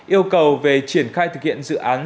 yêu cầu về triển khai thực hiện dự án